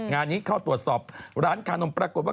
งานนี้เข้าตรวจสอบร้านคานมปรากฏว่า